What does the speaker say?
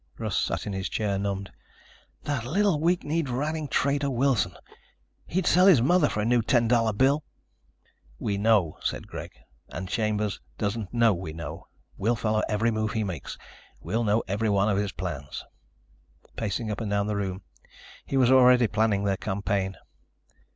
Russ sat in his chair, numbed. "That little weak kneed, ratting traitor, Wilson. He'd sell his mother for a new ten dollar bill." "We know," said Greg, "and Chambers doesn't know we know. We'll follow every move he makes. We'll know every one of his plans." Pacing up and down the room, he was already planning their campaign.